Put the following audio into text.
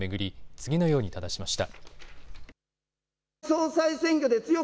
次のようにただしました。